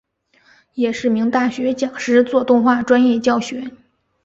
也是名大学讲师做动画专业教学。